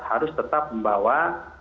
harus tetap membawa